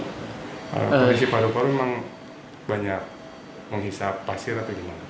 polisi padoporo memang banyak menghisap pasir atau gimana